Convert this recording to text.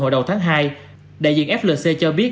hồi đầu tháng hai đại diện flc cho biết